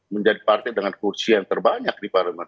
menjadi partai dengan kursi yang terbanyak di parlemen